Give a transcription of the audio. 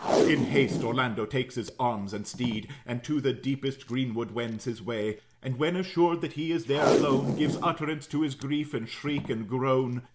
In haste, Orlando takes his arms and steed, And to the deepest greenwood wends his way. And when assured that he is there alone, Gives utterance to his grief in shriek and groan.